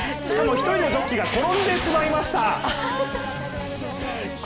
しかも１人のジョッキーが転んでしまいました。